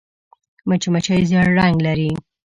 مچمچۍ ژیړ رنګ لري